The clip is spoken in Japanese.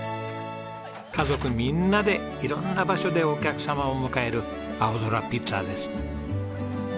家族みんなで色んな場所でお客様を迎えるあおぞらピッツァです。